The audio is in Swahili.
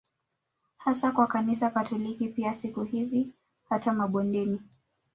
Hasa wa kanisa katoliki pia Siku hizi hata mabondeni